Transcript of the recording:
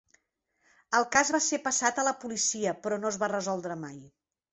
El cas va ser passat a la policia, però no es va resoldre mai.